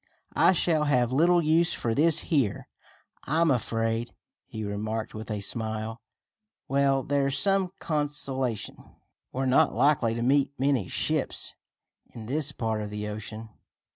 "I shall have little use for this here, I'm afraid," he remarked with a smile. "Well, there's some consolation. We're not likely to meet many ships in this part of the ocean.